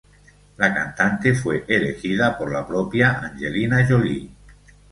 La cantante fue elegida por la propia Angelina Jolie.